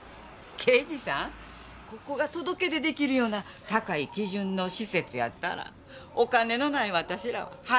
刑事さんここが届け出出来るような高い基準の施設やったらお金のない私らは入れてませんわ。